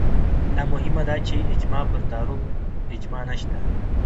لا مهمه دا چې اجماع پر تعریف اجماع نشته